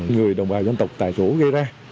người đồng bào dân tộc tại chỗ gây ra